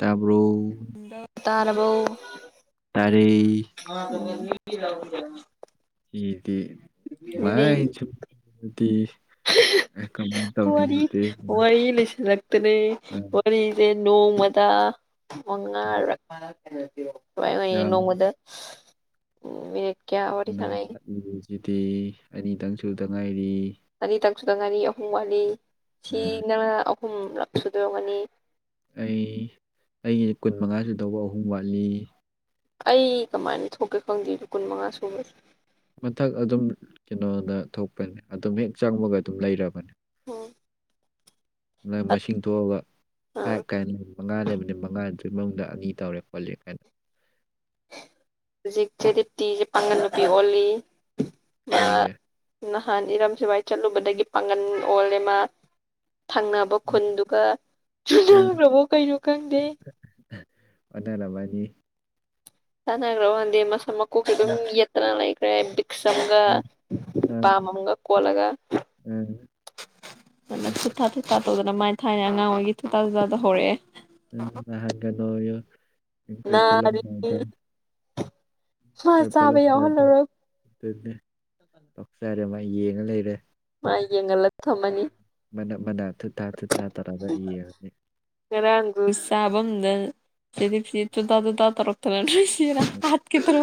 ꯎꯝ ꯇꯥꯕ꯭ꯔꯣ ꯇꯥꯅꯔꯕꯧ ꯇꯔꯦ [inaudible] ꯁꯨꯃꯥꯏ ꯋꯥꯔꯤ ꯋꯥꯔꯤ ꯂꯩꯁꯤꯜꯂꯛ ꯈꯛꯇꯅꯦ ꯋꯥꯔꯤꯁꯦ ꯅꯣꯡꯃꯗ ꯃꯉꯥ ꯍ ꯌꯥꯝ ꯅꯣꯃꯗ ꯅꯪ ꯅꯪ ꯋꯥꯠꯂꯤꯁꯤꯗꯤ ꯑꯅꯤꯇꯪꯁꯨꯗ ꯉꯥꯏꯔꯤ ꯉꯥꯔꯤꯇꯪꯛꯁꯨꯗ ꯉꯥꯔꯤ ꯑꯍꯨꯝ ꯋꯥꯠꯂꯤ ꯁꯤ ꯎꯝ ꯅꯪꯅ ꯑꯍꯨꯝꯂꯛ ꯁꯨꯗꯔꯒꯅꯤ ꯑꯩ ꯑꯩꯒꯤ ꯀꯨꯟ ꯃꯉꯥꯁꯨ ꯇꯧꯕ ꯑꯍꯨꯝ ꯋꯥꯠꯂꯤ ꯑꯩ ꯀꯃꯥꯏꯅ ꯊꯣꯛꯀꯦ ꯈꯪꯗꯦꯗꯣ ꯀꯨꯟ ꯃꯉꯥ ꯁꯨꯕꯁꯦ ꯃꯊꯛ ꯑꯗꯨꯝ ꯀꯩꯅꯣꯅ ꯊꯣꯛꯄꯅꯤ ꯑꯗꯨꯝ ꯍꯦꯛ ꯆꯪꯕꯒ ꯑꯗꯨꯝ ꯂꯩꯔꯕꯅꯦ ꯎꯝ ꯅꯪ ꯃꯁꯤꯡ ꯊꯣꯛꯑꯒ ꯑꯥ ꯐꯥꯏꯚ ꯀꯥꯏꯅ ꯃꯉꯥ ꯂꯩꯕꯅꯤ ꯃꯉꯥꯗ ꯃꯅꯨꯡꯗ ꯑꯅꯤ ꯇꯧꯔꯦ ꯈꯣꯠꯂꯦ ꯀꯥꯏꯅ ꯍꯧꯖꯤꯛꯁꯦꯗꯤꯇꯤꯤꯁꯦ ꯄꯥꯡꯒꯟ ꯅꯨꯄꯤ ꯑꯣꯜꯂꯤ ꯃꯥ ꯍꯒ ꯅꯍꯥꯟ ꯏꯔꯝ ꯁꯋꯥꯏ ꯆꯠꯂꯨꯕꯗꯒꯤ ꯄꯥꯡꯒꯜ ꯑꯣꯜꯂꯦꯃ ꯊꯪꯅꯕ ꯈꯨꯟꯗꯨꯒ ꯑ ꯆꯨꯅꯈ꯭ꯔꯕꯣ ꯀꯩꯅꯣ ꯈꯪꯗꯦ ꯑꯗꯥꯂꯕꯥꯅꯤ ꯆꯉꯒ꯭ꯔꯟꯦ ꯃꯁ ꯃ ꯀꯨ ꯑꯗꯨ ꯎꯝ ꯌꯦꯅ ꯂ ꯂꯩꯈ꯭ꯔꯦ ꯃꯁꯝꯒ ꯎꯝ ꯑ ꯕꯥꯃꯒ ꯀꯂꯒ ꯑ ꯑꯗꯨꯅ ꯎꯝ ꯊꯨꯊꯥ ꯊꯨꯠꯊꯥ ꯇꯧꯗꯅ ꯃꯥꯏꯅ ꯊꯥꯏꯅ ꯑꯉꯥꯡ ꯑꯣꯏꯩꯒꯤ ꯊꯨꯊꯥ ꯊꯨꯥꯗ ꯍꯧꯔꯛꯑꯦ ꯎꯝꯍ ꯀꯗꯣ ꯔꯤ ꯍ ꯆꯥꯕ ꯌꯥꯎ ꯍꯜꯂꯔ ꯑꯗꯨꯅ ꯄꯣꯛꯆꯔꯦ ꯃꯥ ꯌꯦꯡꯉ ꯂꯩꯔꯦ ꯃꯥ ꯌꯦ ꯉ ꯂ ꯊꯃꯅꯤ ꯃꯅꯥ ꯃꯅꯥꯥ ꯊꯥ ꯇꯔꯥꯒ ꯌꯦꯅꯤ ꯈꯔꯥꯡꯒ ꯁꯥꯥꯕꯝꯗ ꯁꯤꯗꯤꯁꯤꯠꯇꯗ ꯇ ꯇꯔꯣꯛꯇꯅ ꯁꯤꯔ ꯍꯥ ꯀꯦ ꯇꯔ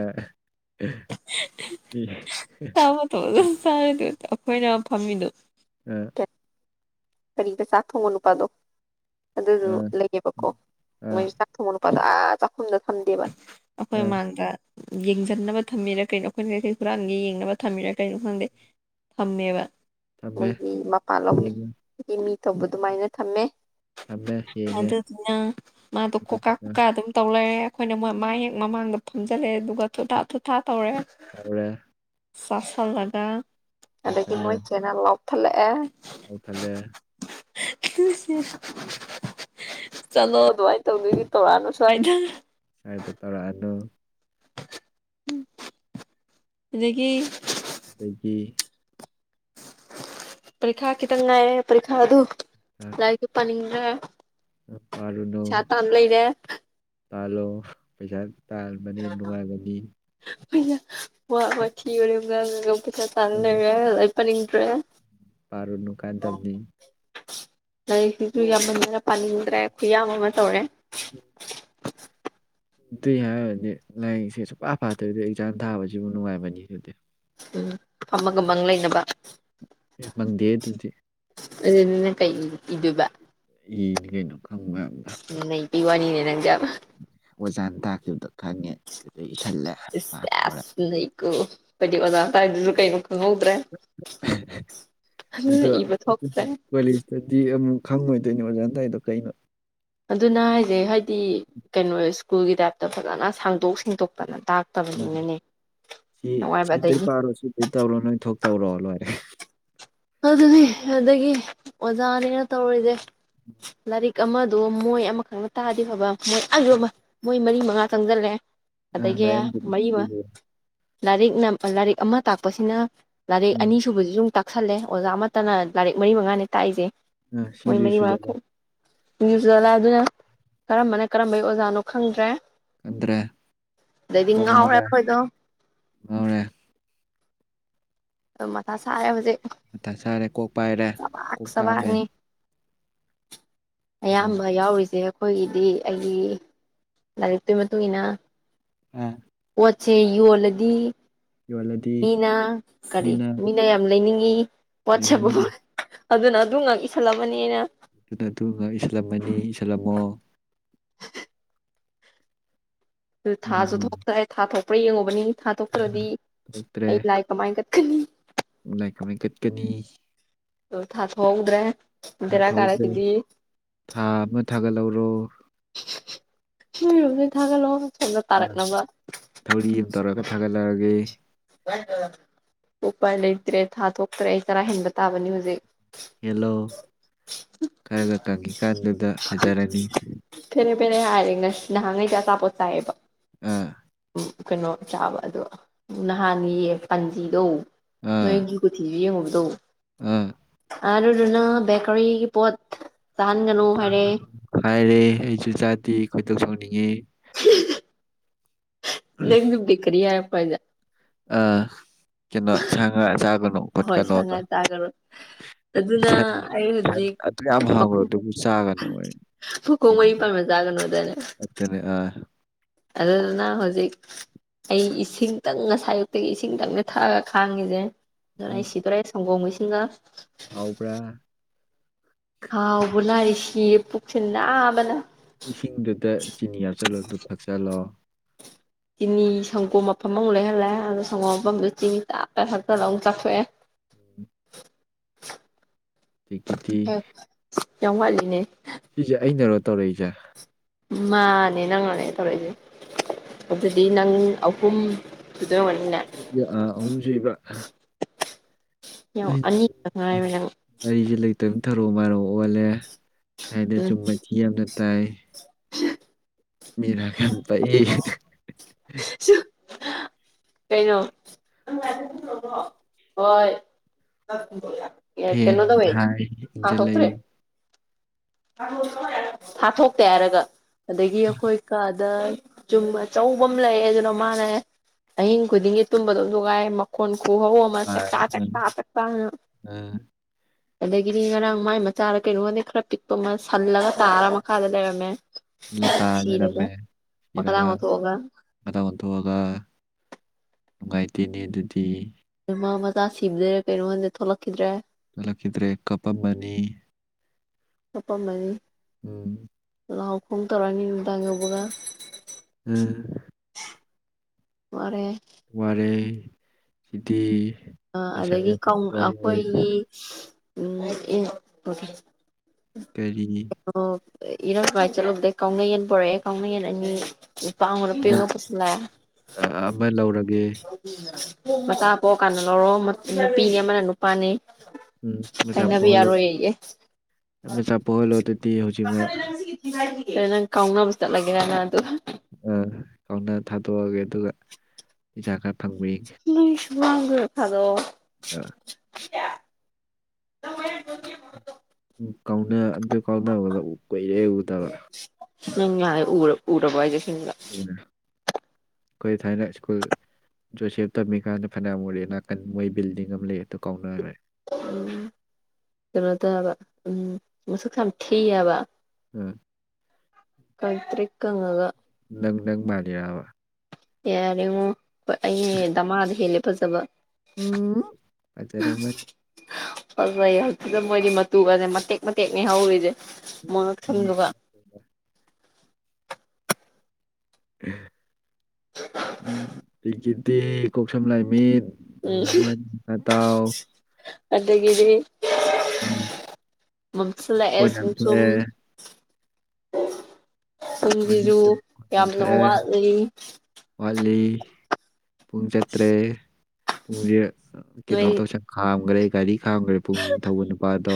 ꯑꯥ ꯆꯥꯕ ꯊꯣ ꯆꯥꯔꯤꯗ ꯑꯩꯈꯣꯏꯅ ꯐꯝꯃꯤꯗꯣ ꯀꯔꯤꯗ ꯆꯥꯛ ꯊꯣꯡꯕ ꯅꯨꯄꯥꯗꯣ ꯑꯗꯨꯁꯨ ꯑꯥ ꯂꯩꯌꯦꯕꯀꯣ ꯑꯥ ꯃꯣꯏ ꯆꯥꯛ ꯊꯣꯡꯕ ꯅꯨꯄꯥ ꯆꯥꯛ ꯆꯥꯛꯈꯨꯝꯗ ꯊꯝꯗꯦꯕ ꯑꯩꯈꯣꯏ ꯑꯥ ꯃꯃꯥꯡꯗ ꯌꯦꯡꯁꯤꯟꯅꯕ ꯊꯝꯃꯤꯔ ꯀꯩꯅꯣ ꯑꯩꯈꯣꯏꯅ ꯀꯩꯀꯩ ꯈꯨꯨꯔꯥꯡꯒꯤ ꯌꯦꯡꯅꯕ ꯊꯝꯃꯤꯔ ꯀꯩꯅꯣ ꯈꯪꯗꯦ ꯊꯝꯃꯦꯕ ꯊꯝꯃꯦ ꯃꯣꯏꯒꯤ ꯃꯄꯥꯟꯂꯒꯤ ꯌꯦꯡꯉꯦ ꯃꯤ ꯇꯧꯕ ꯑꯗꯨꯃꯥꯏꯅ ꯊꯝꯃꯦ ꯊꯝꯃꯦ ꯌꯦꯡꯉꯦ ꯑꯗꯨꯗꯨꯅ ꯃꯥꯗꯣ ꯀꯣꯀꯥ ꯑꯗꯨꯗꯨꯒ ꯀꯣꯀꯥ ꯑꯗꯨꯝ ꯇꯧ ꯂꯩꯔꯦ ꯑꯩꯈꯣꯏꯅ ꯃꯣꯏ ꯃ ꯍꯦꯛ ꯃꯃꯥꯡꯗ ꯐꯨꯝꯝꯖꯤꯜꯂꯛꯑꯦ ꯑꯗꯨꯒ ꯊꯨꯊꯥ ꯊꯨꯊꯥ ꯇꯧꯔꯦ ꯇꯧꯔꯦ ꯆꯁꯗꯥ ꯑꯗꯨꯗꯒꯤ ꯃꯣꯏ ꯆꯦꯅ ꯂꯞ ꯊꯂꯛꯦ ꯑꯥꯎ ꯇꯂꯦ ꯇꯁ ꯆꯠꯂꯣ ꯑꯗꯨꯃꯥꯏꯅ ꯇꯧꯗꯣꯏꯗꯤ ꯇꯧꯔꯛꯅꯨ ꯁ꯭ꯋꯥꯏꯗ ꯁꯥꯏꯗ ꯇꯧꯔꯛꯑꯅꯨ ꯍꯧꯖꯤꯀꯤ ꯑꯗꯒꯤ ꯄꯔꯤꯈꯥ ꯈꯤꯇꯪ ꯉꯥꯏꯌꯦꯦ ꯄꯔꯤꯈꯥ ꯑꯗꯨ ꯂꯥꯏꯔꯤꯛꯁꯨ ꯄꯥꯅꯤꯡ ꯄꯥꯔꯨꯅꯨ ꯆ ꯇꯝ ꯂꯩꯅꯦꯦ ꯇꯥꯜꯂꯣ ꯄꯩꯁꯥ ꯇꯥꯥꯟꯕꯅꯤ ꯑꯩꯅ ꯅꯨꯡꯉꯥꯏꯕꯅꯤ ꯋꯥ ꯋꯥꯊꯤ ꯑꯣꯏꯒ ꯄꯩꯁꯥ ꯇꯥꯅ ꯂꯩꯔꯦ ꯑꯗꯨꯩ ꯄꯥꯅꯤꯡꯗ꯭ꯔꯦ ꯄꯥꯔꯅꯨ ꯀꯥꯟꯗꯕꯅꯤ ꯂꯔꯤꯛꯁꯤꯁꯨ ꯌꯥꯝ ꯐꯖꯅ ꯄꯥꯅꯤꯡꯗ꯭ꯔꯦ ꯈꯨꯌꯥꯝ ꯑꯃ ꯇꯧꯔꯦ ꯎꯝ [inaudible] ꯑꯗꯨꯇꯩ ꯍꯥꯏꯔꯗꯤ ꯂꯥꯏꯔꯤꯛꯁꯦ ꯁꯨꯡꯐ ꯐꯥꯠꯇꯣꯏꯗ ꯑꯦꯛꯖꯥꯝ ꯊꯥꯕꯁꯤꯕꯨ ꯅꯨꯡꯉꯥꯏꯕꯅꯤ ꯑꯗꯨꯗꯗꯤ ꯎꯝ ꯐꯃꯒꯃꯒ ꯂꯩꯅꯕ ꯃꯟꯗꯦ ꯑꯗꯨꯗꯤ ꯑꯗꯨꯅ ꯀꯩ ꯏꯕ ꯏꯅꯤ ꯀꯩꯅꯣ ꯈꯪꯕ ꯑꯗ ꯄꯤ ꯋꯥꯅꯤꯅꯦ ꯅꯪꯖꯕ ꯑꯣꯖꯥꯅ ꯇꯥꯈꯤꯕꯗ ꯣ ꯇꯧꯔꯦ ꯀ ꯑꯗꯨꯅ ꯏꯕ ꯊꯣꯛꯇ꯭ꯔꯦ ꯑꯗꯂꯤꯁꯇꯗꯤ ꯈꯪꯉꯣꯏꯗꯣꯏꯅꯤ ꯑꯣꯖꯥꯟꯗꯥꯏꯗꯣ ꯀꯩꯅꯣ ꯑꯗꯨꯅ ꯍꯥꯏꯁꯦ ꯍꯥꯏꯗꯤ ꯀꯩꯅꯣ ꯁ꯭ꯀꯨꯜꯒꯤ ꯇꯥꯏꯞꯇ ꯐꯖꯅ ꯁꯥꯡꯗꯣꯛ ꯁꯦꯡꯗꯣꯛꯇꯅꯅꯦ ꯁꯤ ꯅꯨꯡꯉꯥꯏꯕ ꯁꯤ ꯑꯗꯒꯤ ꯄꯥꯔꯣ ꯁꯤ ꯇꯧꯔꯣ ꯅꯣꯏ ꯊꯣꯛꯇꯧꯔꯣ ꯂꯣꯏꯔꯦ ꯑꯗꯨꯅꯤ ꯑꯗꯒꯤ ꯑꯣꯖꯥꯅꯦꯅ ꯇꯧꯔꯔꯤꯁꯦ ꯂꯥꯏꯔꯤꯛ ꯑꯃꯗꯣ ꯃꯣꯏ ꯑꯃꯈꯛꯅ ꯇꯥꯗꯤ ꯐꯕ ꯃꯣꯏ ꯑ ꯃꯣꯏ ꯃꯔꯤ ꯃꯉꯥ ꯆꯪꯁꯤꯜꯂꯦ ꯑꯥ ꯑꯗꯗꯒꯤ ꯂꯥꯏꯔꯤꯛ ꯃꯩꯃ ꯑꯝꯇꯗ ꯂꯥꯏꯔꯤꯛ ꯂꯥꯏꯔꯤꯛ ꯑꯃ ꯇꯥꯛꯄꯁꯤꯅ ꯂꯥꯏꯔꯤꯛ ꯎꯝ ꯑꯅꯤꯁꯨꯨꯕꯁꯨ ꯁꯨꯝ ꯇꯥꯛꯁꯜꯂꯦ ꯑꯣꯖꯥ ꯑꯃꯠꯇꯅ ꯂꯥꯏꯔꯤꯛ ꯃꯔꯤ ꯃꯉꯥꯅꯦ ꯇꯥꯛꯏꯁꯦ ꯑ ꯁꯤꯁꯤꯡꯖꯣꯏ ꯁꯖꯗ ꯂ ꯑꯗꯨꯅ ꯀꯔꯝꯕꯅ ꯀꯔꯝꯕꯩ ꯑꯣꯖꯥꯅꯣ ꯈꯪꯗ꯭ꯔꯦ ꯈꯟꯗ꯭ꯔꯦ ꯑꯗꯩꯗꯤ ꯉꯥꯎꯔꯦ ꯑꯩꯈꯣꯏꯗꯣ ꯃꯔꯦ ꯃꯊꯥ ꯁꯥꯔꯦ ꯍꯧꯖꯤꯛ ꯑ ꯁꯥꯔꯦ ꯀꯣꯛ ꯄꯥꯏꯔꯦ ꯆꯕꯥꯛ ꯀꯣꯛ ꯇꯥꯡꯒꯦ ꯆꯕꯥꯛꯅꯤ ꯑꯌꯥꯝꯕ ꯌꯥꯎꯔꯤꯁꯦ ꯑꯩꯈꯣꯏꯒꯤꯗꯤ ꯑꯩꯒꯤ ꯂꯥꯏꯔꯤꯛꯇꯨꯒꯤ ꯃꯇꯨꯡ ꯏ ꯃꯇꯨꯡꯏꯟꯅ ꯎꯝ ꯄꯆꯦ ꯌꯨꯂꯗꯤ ꯌꯣꯜꯂꯗꯤ ꯃꯤꯅ ꯀꯔꯤ ꯃꯤꯅ ꯌꯥꯝ ꯂꯩꯅꯤꯡꯉꯤ ꯋꯥꯠꯁꯦ ꯂꯩꯅꯤꯡ ꯑꯗꯨꯅ ꯑꯗꯨ ꯉꯥꯛ ꯏꯁꯜꯂꯕꯅꯤꯅ ꯑꯗꯨꯅ ꯑꯗꯨ ꯉ ꯏꯁꯜꯂꯝꯃꯅꯤ ꯏꯁꯜꯂꯝꯃꯣ ꯑꯗꯨ ꯊꯥꯁꯨ ꯎꯝ ꯊꯣꯛꯇꯔꯦ ꯊꯥ ꯊꯣꯛꯄ꯭ꯔꯥ ꯌꯦꯡꯉꯨꯕꯅꯤ ꯊꯥ ꯊꯣꯛꯇ꯭ꯔꯗꯤ ꯊꯣꯛꯇ꯭ꯔꯦ ꯑꯩ ꯂꯥꯏ ꯀꯃꯥꯏ ꯈꯂꯤ ꯂꯥꯏ ꯀꯃꯥꯏ ꯀꯠꯀꯅꯤ ꯇꯣ ꯊ ꯍꯥꯠ ꯍꯗ꯭ꯔꯦ ꯊꯥꯟꯊꯣꯛꯎꯈ꯭ꯔꯦ ꯊꯥ ꯑꯃ ꯊꯥꯒꯠꯍꯧꯔꯣ ꯎ ꯔꯣꯖꯤ ꯊꯥꯥ ꯂꯧꯣ ꯑ ꯊꯧꯔꯤ ꯑꯃ ꯇꯧꯔꯒ ꯊꯥꯒꯠꯂꯛꯑꯒꯦ ꯎꯄ ꯂꯩꯇ꯭ꯔꯦ ꯊꯥ ꯊꯣꯛꯇ꯭ꯔꯦ ꯑꯩ ꯆꯔꯥ ꯍꯦꯟꯕ ꯇꯥꯕꯅꯤ ꯍꯧꯖꯤꯛ ꯍꯦꯜꯂꯣ ꯈꯔꯒ ꯀꯪꯉꯤꯀꯥꯟꯗꯨꯗ ꯐꯖꯔꯅꯤ ꯅꯦ ꯍꯥꯏꯔꯦ ꯉꯁꯤ ꯅꯍꯥꯟꯈꯩꯦ ꯑꯆꯥꯄꯣꯠ ꯆꯥꯏꯌꯦꯕ ꯑ ꯎꯝ ꯀꯩꯅꯣ ꯆꯥꯕ ꯑꯗꯣ ꯅꯍꯥꯟꯒꯤ ꯄꯥꯟꯖꯤꯗꯧ ꯅꯣꯏꯒꯤ ꯀꯨꯊꯤꯁꯨ ꯌꯦꯡꯉꯨ ꯎ ꯑꯗꯨ ꯅ ꯦꯀꯔꯤ ꯄꯠ ꯍꯥꯏꯔꯦ ꯑꯩꯁꯨ ꯆꯥꯗꯦ ꯀꯣꯏꯗꯧ ꯁꯣꯛꯅꯤꯡꯉꯤ [inaudible] ꯂꯩꯗꯤ ꯀꯔꯤꯦ ꯐꯗ ꯑ ꯀꯩꯅꯣ ꯉ ꯆꯥꯒꯅꯨ ꯍꯣꯏ ꯁꯥ ꯈꯣꯠꯀꯅꯨꯗ ꯉꯥ ꯆꯥꯒꯅꯨ ꯑꯗꯨꯅ ꯑꯩ ꯍꯧꯖꯤꯛ ꯑꯗꯨ ꯌꯥꯝ ꯐꯪꯈ꯭ꯔꯣ ꯑꯗꯨꯕꯨ ꯆꯥꯒꯅꯨ ꯑꯩ ꯐꯨꯀꯣ ꯃꯔꯤ ꯃꯖꯥꯒꯅꯅꯦ ꯑꯗꯨꯅꯦ ꯑꯥ ꯑꯗꯨꯗꯗꯅ ꯍꯧꯖꯤꯛ ꯑꯩ ꯏꯁꯤꯡꯇꯪ ꯉꯁꯥꯏꯌꯨꯛꯇꯒꯤ ꯏꯁꯤꯡꯇꯪꯅꯦ ꯊꯛꯑꯒ ꯈꯥꯡꯉꯤꯁꯦ ꯎꯝ ꯑꯗꯨꯅꯥꯏ ꯁꯤꯗꯣꯔꯦ ꯁꯪꯒꯣ ꯃꯩꯁꯤꯡꯒ ꯍꯥꯎꯕ꯭ꯔꯥ ꯍꯥꯎꯕꯨꯅꯔꯤ ꯁꯤ ꯄꯨꯛꯁꯤꯗꯥꯕꯅ ꯏꯁꯤꯡꯗꯨꯗ ꯆꯤꯅꯤ ꯍꯥꯞꯆꯤꯜꯂꯣ ꯑꯗꯨ ꯐꯠꯆꯜꯂꯣ ꯆꯤꯅꯤ ꯁꯪꯒꯣꯝ ꯃꯐꯝ ꯑꯃꯨꯛ ꯂꯩꯍꯜꯂꯦ ꯑꯗꯣ ꯁꯪꯒꯣꯝ ꯃꯐꯝꯗ ꯆꯤꯅꯤ ꯇꯥꯞꯄ ꯊꯛꯇꯅ ꯑꯃꯨꯛ ꯆꯥꯊꯣꯛꯑꯦ ꯎꯝ ꯇ ꯌꯥꯝ ꯋꯥꯠꯂꯤꯅꯦ ꯁꯤꯁꯦ ꯑꯩꯅꯔꯣ ꯇꯧꯔꯛꯏꯁꯦ ꯃꯥꯅꯦ ꯅꯪꯉꯅꯦ ꯇꯧꯔꯛꯏꯁꯦ ꯑꯗꯨꯗꯤ ꯅꯪ ꯑꯍꯨꯝ ꯑꯣꯏꯔꯝꯒꯅꯤꯅꯦ ꯑ ꯑꯨꯝꯁꯨꯕ ꯌꯦꯡꯉꯣ ꯑꯅꯤꯈꯛ ꯉꯥꯏꯔꯦ ꯅꯪ ꯑꯩꯁ ꯂꯩꯇꯕ ꯊꯔꯨ ꯃꯔꯔꯣꯛ ꯑꯣꯜꯂꯦ ꯁꯥꯏꯅ ꯎꯝ ꯆꯨꯝꯕꯕꯁꯤꯤ ꯌꯥꯝꯅ ꯇꯥꯏ ꯃꯤꯔ ꯀꯝꯄ [inaudible] [inaudible] ꯀꯩꯅꯩꯅꯣ ꯍ ꯌꯥ ꯐꯦꯟ ꯀꯅꯣꯗꯃꯦꯥꯏ ꯊꯥꯏ ꯍꯥꯥꯁꯇ꯭ꯔꯦ ꯏꯟꯖꯜꯂꯛꯏ ꯊꯥꯊꯣꯛꯇꯦ ꯍꯥꯏꯔꯒ ꯑꯗꯒꯤ ꯑꯩꯈꯣꯏ ꯑꯗ ꯆꯨꯝꯕ ꯑꯆꯧꯕ ꯑꯃ ꯂꯩꯑ ꯑꯗꯨꯅ ꯃꯥꯅꯦ ꯑꯍꯤꯡ ꯈꯨꯗꯤꯡꯒꯤ ꯇꯨꯝꯕꯗꯣ ꯅꯨꯡꯉꯥꯏ ꯃꯈꯣꯟ ꯣ ꯍ ꯑꯃ ꯆꯀ ꯆꯀ ꯆꯇꯥ ꯑꯗꯒꯤꯗꯤ ꯉꯔꯥꯡ ꯃꯥꯏ ꯃꯆꯥꯗ ꯀꯩꯅꯣꯒꯗꯤ ꯈꯔ ꯄꯤꯛꯄ ꯑꯃ ꯁꯜꯂꯒ ꯇꯥꯔ ꯃꯈꯥꯗ ꯂꯩꯔꯝꯃꯦ ꯂꯩꯦ ꯁꯤꯔꯒ ꯇꯔꯔꯝꯃꯦ ꯃꯈꯥꯗ ꯏꯔꯒ ꯉꯣꯟꯊꯣꯛꯑꯒ ꯉ ꯑꯣꯟꯊꯣꯛꯑꯒ ꯅꯨꯡꯉꯥꯏꯇꯦꯅꯤ ꯑꯗꯨꯗꯤ ꯃꯥ ꯃꯆꯥ ꯁꯤꯕꯤꯗꯔꯦ ꯀꯩꯅꯣꯃꯥꯟꯗ ꯊꯣꯛꯂꯛꯈꯤꯗ꯭ꯔꯦ ꯂꯂꯀꯗ꯭ꯔꯦ ꯀꯄꯃꯅꯤ ꯑꯄꯥꯃꯅꯤ ꯎꯝ ꯂꯥꯎ ꯈꯣꯡ ꯇꯧꯔꯅꯤ ꯅꯨꯃꯤꯗꯥꯡꯕꯥ ꯎꯝ ꯃꯔꯦ ꯋꯥꯔꯦ ꯆꯤꯗꯤꯤ ꯑꯗꯒꯤ ꯑꯩꯈꯣꯏꯒꯤ ꯀꯔꯤ ꯏꯔꯥꯡ ꯀꯃꯥꯏꯅ ꯆꯠꯂꯨꯗꯦ ꯀꯥꯎꯅ ꯌꯦꯟ ꯄꯣꯔꯛꯑꯦ ꯀꯥꯎꯅꯌꯦꯟ ꯑꯅꯤ ꯂꯨꯄꯥ ꯑꯃ ꯂꯄꯤꯤꯉꯄꯁꯨꯂꯥꯛꯑꯦ ꯑ, ꯑꯃ ꯂꯧꯔꯒꯦ ꯃꯆꯥ ꯄꯣꯛ ꯀꯥꯟꯗ ꯂꯧꯔꯣ ꯅꯨꯄꯤꯅꯤ ꯑꯃꯅ ꯅꯨꯄꯥꯅꯤ ꯎꯝ ꯃꯁꯣꯜꯁꯥꯣꯜ ꯅꯪ ꯀꯥꯎꯅꯕ ꯆꯠꯂꯒꯦ ꯍꯥꯏꯅ ꯑꯗꯨ ꯑ ꯀꯧꯅ ꯊꯥꯗꯣꯛꯑꯒꯦ ꯑꯗꯨꯒ ꯄꯩꯁꯥ ꯈ ꯅꯣꯏ ꯁꯃꯥꯡꯒ ꯐꯗꯣ ꯑ [unintelligible] ꯎ ꯀꯥꯎꯅ ꯑꯗ ꯀꯥꯎꯅꯗ ꯀꯣꯏꯏꯔꯦ ꯎ ꯇꯔ ꯎ ꯌꯥꯔ ꯎꯔ ꯄꯖꯦ ꯁꯤꯗ ꯎꯝ, ꯑꯩꯈꯣꯏ ꯊꯥꯏꯅ ꯁ꯭ꯀꯨꯜ ꯖꯣꯁꯦꯞ ꯇꯝꯃꯤꯀꯥꯟꯗ ꯐꯅꯥ ꯃꯣꯔꯦ ꯅꯥꯀꯟ ꯃꯣꯏ ꯕꯤꯜꯗꯤꯡ ꯑꯃ ꯂꯩ ꯑꯗꯨꯣ ꯀꯥꯎꯅꯔꯦ ꯎꯝ ꯀꯩꯅꯣ ꯇꯕ ꯎꯝ ꯃꯁꯨꯁꯨ ꯈꯝ ꯊ ꯌꯥꯕ ꯑ ꯀꯇꯔꯤ ꯀꯉꯒ ꯅꯪ ꯅꯪ ꯃꯥꯜꯂꯤꯔꯛꯑꯕ ꯌꯥꯔꯦꯡꯉꯣ ꯍꯣꯏ ꯑꯩ ꯗꯃꯥꯗ ꯍꯦꯜꯂꯦ ꯐꯖꯕ ꯎꯝ ꯑꯆꯔꯝꯕ ꯐꯖꯩꯌꯦ ꯑꯗꯨꯗ ꯃꯣꯏꯗꯤ ꯃꯇꯨꯒꯁꯦ ꯃꯇꯦꯛ ꯃꯇꯦꯛꯅꯤ ꯍꯧꯔꯤꯁꯦ ꯃꯅꯛ ꯎꯝ ꯁꯟꯗꯒꯥ ꯎꯒꯤꯗꯤ ꯀꯁꯝ ꯂꯩꯥꯏꯃꯤ ꯎꯝ ꯃ ꯐꯇꯥꯥꯎ ꯆꯗꯒꯔꯤ ꯃꯁꯂꯥ ꯀꯣꯟ ꯑꯦꯁ ꯌꯥꯝ ꯔꯁꯨꯝ ꯊꯣꯛꯑꯦ ꯌꯥꯝꯅ ꯃꯊꯑ ꯋꯥꯠꯂꯤ ꯋꯥꯂꯤ ꯄꯨꯡ ꯆꯠꯇ꯭ꯔꯦ ꯄꯨꯡ ꯀꯩꯅꯣ ꯅꯣꯏ ꯇꯧ ꯁꯪ ꯈꯥꯝꯒ꯭ꯔꯦ ꯒꯥꯔꯤ ꯊꯥꯡꯈ꯭ꯔꯦ ꯄꯨꯛꯅꯤꯡ ꯊꯧꯕ ꯅꯨꯄꯥꯗꯣ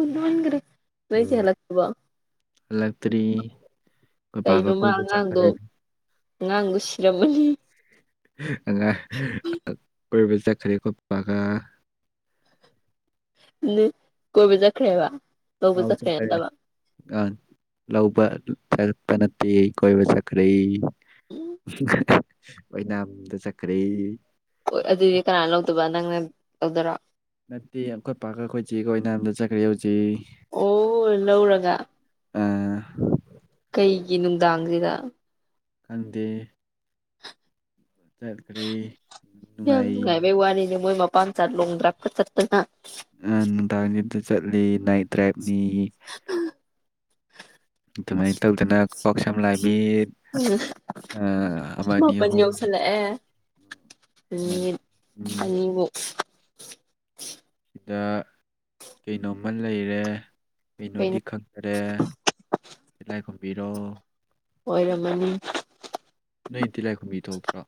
ꯎꯚꯔꯦ ꯉꯁꯂꯕ ꯍꯂꯒꯇꯔꯤ ꯀꯩꯅꯣꯃ ꯑꯉꯥꯡꯗꯣ ꯑꯉꯥꯡꯗꯣ ꯁꯤꯔꯝꯃꯅꯤ ꯑꯉꯥꯡ ꯑꯣꯏꯕ ꯆꯠꯈꯅꯤ ꯈꯣꯠꯄꯒ ꯀꯣꯏꯕꯖꯥ ꯈꯦꯕ ꯑꯥꯎ ꯆ ꯀꯔꯦ ꯑ ꯂꯧꯕꯕ ꯆꯄ ꯅꯠꯇ ꯀꯣꯏꯕ ꯆ ꯀꯔꯤ ꯎꯝ ꯑꯣꯏꯅꯥꯝꯗ ꯆꯠꯈ꯭ꯔꯦ ꯍꯣꯏ ꯑꯗꯨꯗꯤ ꯀꯅꯥꯅ ꯂꯧꯗꯕ ꯅꯪꯅ ꯂꯧꯗꯔꯥ ꯅꯠꯇꯦ ꯑꯩꯈꯣꯏ ꯄꯥ ꯑꯩꯈꯣꯏ ꯆꯦꯒ ꯑꯣꯏꯅꯝꯗ ꯆꯠꯈ꯭ꯔꯦ ꯍꯧꯖꯤꯛ ꯑꯣ ꯂꯧꯔꯒ ꯑ ꯒꯤꯅꯅꯨꯡꯗꯥꯥꯡꯒꯔꯤꯗ ꯈꯪꯗꯦ ꯆꯠꯈ꯭ꯔꯦ ꯅꯨꯡꯉꯥꯏ ꯥꯏꯃꯦ ꯋꯥꯅꯤꯅꯤ ꯃꯣꯏ ꯃ ꯄ ꯆꯠ ꯂꯣꯡ ꯗ꯭ꯔꯥꯛꯀ ꯆꯠꯠꯇꯅ ꯅꯨꯡꯗꯥꯡꯁꯤꯗ ꯆꯠꯂꯤ ꯅꯥꯏꯠ ꯗ꯭ꯔꯥꯏꯕꯅꯤ ꯑꯗꯨꯃꯥꯏꯟ ꯇꯧꯗꯅ ꯀꯥꯛ ꯁꯝ ꯂꯥꯏꯕ ꯃꯤꯠ ꯑ ꯑꯃ ꯑꯅꯤ ꯑꯍꯨꯝ ꯑꯃꯅꯤ ꯃꯤꯠ ꯎꯝ ꯑꯅꯤꯕꯨꯛ ꯗ ꯀꯩꯅꯣꯝꯃ ꯂꯩꯔꯦ ꯀꯩꯅꯣ ꯀꯩꯅꯣꯗꯤ ꯈꯪꯗꯔꯦ ꯇꯤꯂꯥꯏ ꯈꯨꯝꯕꯤꯔꯣ ꯑꯣꯏꯔꯝꯃꯅꯤ ꯅꯩ ꯇꯤꯂꯥꯏꯈꯨꯝꯕꯤ ꯊꯣꯛꯇ꯭ꯔꯣ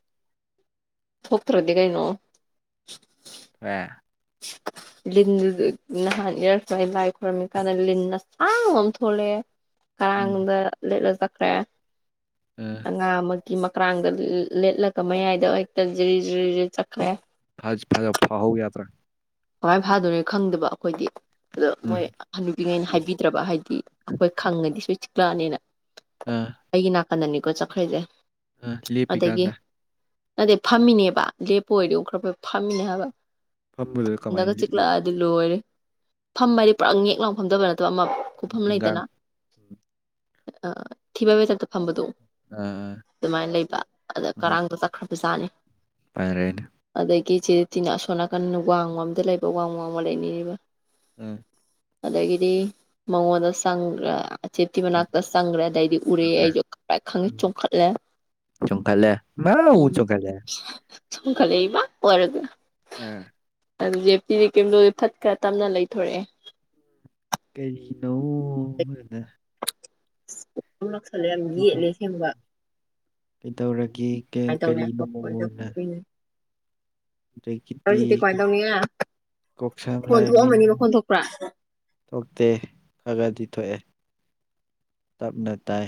ꯊꯣꯛꯇ꯭ꯔꯗꯤ ꯀꯩꯅꯣ ꯋꯦ [inaudible] ꯂꯤꯟꯗꯨ ꯖꯨ ꯅꯍꯥꯟ ꯏꯔꯛꯇꯣꯅꯤ ꯂꯥꯏ ꯈꯣꯏꯔꯝꯃꯤ ꯀꯥꯟꯗ ꯂꯤꯟꯅ ꯑꯁꯥꯡꯕꯝ ꯊꯣꯛꯂꯑꯦ ꯎꯝ ꯀꯔꯥꯡꯅꯨꯡꯗ ꯂꯤꯠꯂ ꯆꯠꯈ꯭ꯔꯦ ꯑꯉꯥꯡ ꯑꯃ ꯇꯤ ꯃꯀ꯭ꯔꯥꯡꯗ ꯂꯦꯠꯂꯒ ꯃꯌꯥꯏꯗ ꯑꯦꯛꯇ ꯖꯤꯔꯤ ꯖꯤꯔꯤ ꯖꯤꯔꯤ ꯆꯠꯈ꯭ꯔꯦ ꯐꯖ ꯐꯗ ꯐꯍꯧ ꯌꯇ꯭ꯔꯥ ꯀꯃꯥꯏ ꯐꯥꯗꯣꯏꯔꯦ ꯈꯪꯗꯕ ꯑꯩꯈꯣꯏꯗꯤ ꯑꯗꯣ ꯎꯝ ꯃꯣꯏ ꯍꯅꯨꯕꯥꯉꯩꯅ ꯍꯥꯏꯕꯤꯗ꯭ꯔꯕ ꯍꯥꯏꯗꯤ ꯑꯈꯣꯏ ꯈꯪꯉꯗꯤꯁꯨꯏꯁ ꯀꯂꯥꯅꯦꯅ ꯑ ꯑꯅꯅꯤꯀꯣ ꯆꯈ꯭ꯔꯦꯖꯦ ꯑ ꯂꯦꯄꯤ ꯀꯥꯗ ꯅꯗꯦ ꯐꯝꯃꯤꯅꯦꯕ ꯂꯦꯞꯄꯨ ꯑꯣꯏꯗꯤ ꯎ ꯈꯔ ꯐꯝꯃꯤꯅꯦ ꯍꯥꯏꯕ ꯐꯝꯕꯗꯨꯗ ꯍꯟꯗꯒ ꯀꯃꯥꯏꯅ ꯂꯤꯠꯂꯤ ꯆꯤꯛꯂꯛꯑꯗꯤ ꯂꯣꯏꯔꯦ ꯐꯝꯃꯗꯤ ꯄꯨꯔꯥ ꯌꯦꯛ ꯂꯥꯎ ꯐꯝꯗꯕ ꯅꯠꯇꯣ ꯑꯃ ꯀꯨꯐꯝ ꯅꯤꯡꯒꯥꯡ ꯂꯩꯗꯅ ꯎꯝ ꯑ ꯊꯤꯕꯥꯏ ꯃꯊꯛꯇ ꯐꯝꯕꯗꯣ ꯑꯥ ꯑꯗꯨꯃꯥꯏ ꯂꯩꯕ ꯑꯗ ꯀꯔꯥꯡꯗꯣ ꯆꯠꯈ꯭ꯔꯕ ꯕꯨꯖꯥꯅꯤ ꯄꯥꯔꯦꯠ ꯀꯤꯆꯦ ꯇꯤꯅ ꯑꯁꯣꯟ ꯅꯥꯀꯟꯅ ꯋꯥꯡꯃ ꯑꯝꯗ ꯂꯩꯕ ꯋꯥꯡ ꯋꯥꯡꯃ ꯂꯩꯅꯥꯔꯤꯕ ꯎꯝ ꯑꯗꯒꯤꯗꯤ ꯃꯉꯣꯟꯗ ꯆꯪꯒ꯭ꯔ ꯑꯆꯦꯞꯇꯤ ꯆꯪ- ꯃꯅꯥꯛꯇ ꯆꯪꯈ꯭ꯔꯦ ꯑꯗꯩꯗꯤ ꯎꯔꯑꯦ ꯆꯪꯈ꯭ꯔꯦ ꯑꯩꯖꯨ ꯈꯪꯄꯔꯦ ꯈꯪꯏ ꯆꯣꯡꯈꯠꯂꯦ ꯀꯂ ꯃꯥꯎ ꯎꯝ ꯆꯨꯈꯠꯂꯦ ꯆꯣꯡꯈꯠꯂꯦ ꯏꯃꯥꯎ ꯍꯥꯏꯔꯒ ꯑ ꯑꯗꯨꯖꯦ ꯄꯤ ꯀꯤꯝꯗꯣ ꯐꯠ ꯈ ꯇꯞꯅ ꯂꯩꯊꯣꯔꯑꯦ ꯀꯔꯤꯅꯣ ꯃꯗ ꯂꯥꯛꯁꯜꯂꯦ ꯑꯃꯨ ꯌꯦꯠꯂꯦ ꯀꯩꯗꯧ- ꯑꯁꯦꯡꯕ ꯀꯩꯗꯧꯔꯒꯦ ꯑ ꯀ- ꯇꯧꯗ ꯑꯗꯀꯤꯇꯤ ꯀꯣꯛꯁꯝ ꯐꯣꯟ ꯂꯥꯏꯃꯤ ꯊꯣꯛꯑꯝꯃꯅꯤ ꯃꯈꯣꯟ ꯊꯣꯛꯄ꯭ꯔꯥ ꯊꯣꯛꯇꯦ ꯈ ꯈꯗꯤ ꯊꯣꯛꯑꯦ ꯇꯞꯅ ꯇꯥꯏ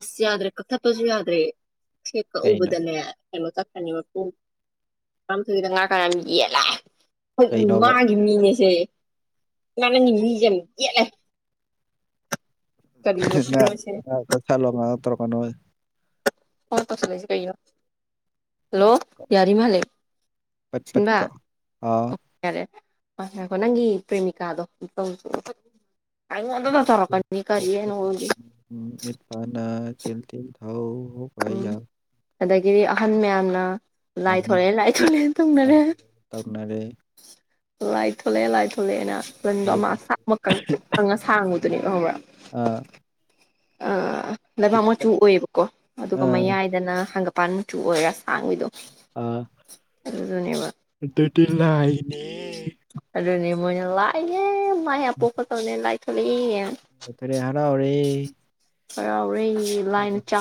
ꯑꯁ ꯌꯥꯗ꯭ꯔꯦ ꯀꯛꯊꯠꯄꯁꯨ ꯌꯥꯗ꯭ꯔꯦ ꯊꯦꯛ ꯀꯩꯅꯣ ꯀꯛꯎꯕꯗꯅꯦ ꯀꯩꯅꯣ ꯆꯠꯀꯅꯤꯕ ꯄꯨꯡ ꯇꯥꯃꯊꯣꯏꯈꯗ ꯉꯥꯏ ꯀ ꯌꯦ ꯂꯦ ꯍꯣꯏꯠ ꯀꯩꯅꯣꯕ ꯃꯥꯒꯤ ꯃꯤꯅꯦꯁꯦ ꯃꯥꯅꯪꯒꯤ ꯃꯤꯁꯦ ꯌꯥꯝ ꯌꯦꯠꯂꯦ ꯍ ꯀꯔꯤꯅꯣ ꯉꯥ ꯁꯤꯃꯁꯦ ꯉꯥ ꯀꯛꯊꯠꯂꯣ ꯃꯑꯝ ꯇꯔꯀꯅꯣ ꯐꯣꯟ ꯀꯛꯊꯠꯂꯛꯑꯤꯖ ꯀꯩꯒꯤꯅꯣ ꯍꯜꯂꯣ ꯌꯥꯔꯤ ꯃꯂꯦ ꯄꯠꯄꯠꯀꯥ ꯑꯥ ꯌꯥꯔꯦ ꯉꯥꯏꯈꯣ ꯅꯪꯒꯤ ꯄ꯭ꯔꯦꯃꯤꯀꯥꯗꯣ [inaudible] ꯇꯧꯔꯛꯀꯅꯤ ꯀꯔꯤꯅꯣ ꯃꯤꯠ ꯄ ꯅꯥ ꯆꯤꯜ ꯇꯤꯜ ꯊꯧ ꯑꯣ ꯋꯥꯏ ꯎꯝ ꯌꯥꯔ ꯑꯗꯒꯤꯗꯤ ꯑꯍꯟ ꯃꯌꯥꯝꯅ ꯍꯅꯨ ꯂꯥꯏꯊꯣꯔꯛꯑꯦ ꯂꯥꯏꯊꯣꯛꯂꯦꯟ ꯇꯧꯅꯔꯦ ꯇꯧꯅꯔꯦ ꯂꯥꯏ ꯊꯣꯂꯑꯦ ꯂꯥꯏ ꯊꯣꯂꯑꯦꯅ ꯄꯨꯟꯗꯣ ꯃ ꯁꯥꯛ ꯃ ꯀꯪꯇꯔꯤꯛ ꯀꯣꯉ ꯁꯥꯡꯕꯗꯨꯅꯦꯕ ꯈꯪꯕ꯭ꯔꯥ ꯑ ꯑ ꯂꯩꯕꯥꯛ ꯃꯆꯨ ꯑꯣꯏꯌꯦꯕꯀꯣ ꯑꯗꯨꯒ ꯑꯥ ꯃꯌꯥꯏꯗꯅ ꯍꯥꯡꯒꯠ ꯃꯄꯥꯟ ꯃꯆꯨ ꯑꯣꯏꯔꯒ ꯁꯥꯡꯕꯤꯗꯣ ꯑꯥ ꯑꯗꯨ ꯟꯕꯗ ꯑꯗꯨꯗꯤꯂꯏꯅꯤ ꯑꯗꯨꯅꯤ ꯃꯣꯏꯅ ꯂꯥꯏꯑꯅꯦꯦ ꯃꯥꯏ ꯍꯥ ꯄꯣ ꯈ ꯇꯅꯦ ꯂꯥꯏ ꯊꯣꯛꯂꯛꯦ ꯠꯇꯔꯦ ꯍꯥꯏꯔ ꯑꯣꯏꯔꯦ ꯍꯔꯥꯎꯔꯦ ꯂꯥꯏꯅ ꯆꯥ